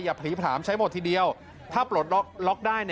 ผลีผลามใช้หมดทีเดียวถ้าปลดล็อกได้